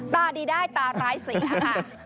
ตราดีได้ตรารายเสียค่ะ